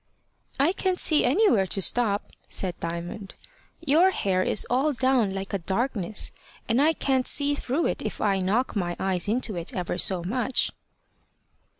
"I can't see anywhere to stop," said Diamond. "Your hair is all down like a darkness, and I can't see through it if I knock my eyes into it ever so much."